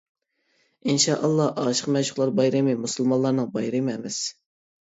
ئىنشا ئاللا. ئاشىق مەشۇقلار بايرىمى مۇسۇلمانلارنىڭ بايرىمى ئەمەس!